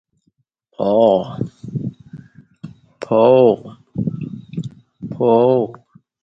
The yellow and peacock blue uniforms were very much as they are today.